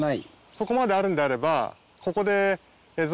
そこまであるんであれば。